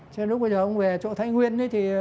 trên lúc bây giờ ông về chỗ thái nguyên